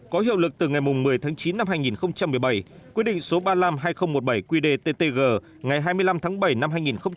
có hiệu lực từ ngày một mươi tháng chín năm hai nghìn một mươi bảy quyết định số ba mươi năm hai nghìn một mươi bảy qdttg ngày hai mươi năm tháng bảy năm hai nghìn một mươi